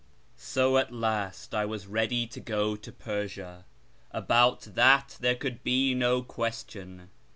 So at last I was really to go to Persia. About that there could be no question.